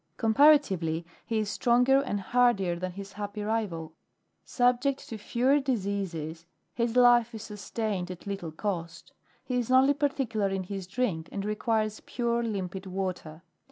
Comparatively, he is stronger and hardier than his happy rival. Subject to fewer diseases, his life is sustained at little cost. He is only particular in his drink, and requires pure, limpid water.